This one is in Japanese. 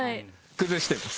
崩してます！